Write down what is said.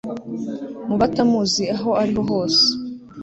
mu batamuzi, aho ari hose